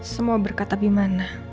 semua berkat abimana